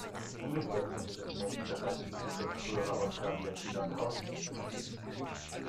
Umgekehrt könnte das Märchen bereits im Einfluss früherer Ausgaben der "Kinder- und Hausmärchen" stehen.